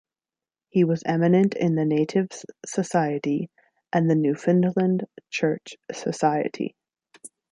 He was eminent in the Natives' Society and the Newfoundland Church Society.